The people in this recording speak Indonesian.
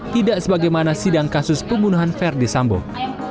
tidak sebagaimana sidang kasus pembunuhan verdi sambong